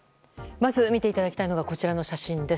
まず見ていただきたいのがこちらの写真です。